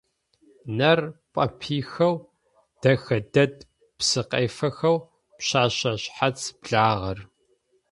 Нэр пӏэпихэу дэхэ дэд псыкъефэхэу «Пшъэшъэ шъхьац благъэр».